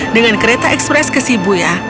dengan kereta ekspres ke shibuya